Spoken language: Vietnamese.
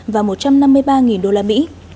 và một trăm năm mươi ba đô la mỹ